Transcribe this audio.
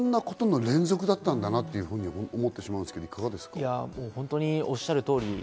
ＶＴＲを見る限り、本当にずさんなことの連続だったんだなと思ってしまうんですけど、いかがですか？